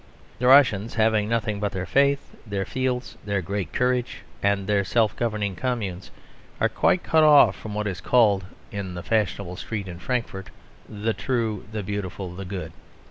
The Russians, having nothing but their faith, their fields, their great courage, and their self governing communes, are quite cut off from what is called (in the fashionable street in Frankfort) The True, The Beautiful and The Good.